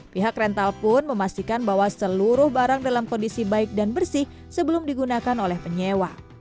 pihak rental pun memastikan bahwa seluruh barang dalam kondisi baik dan bersih sebelum digunakan oleh penyewa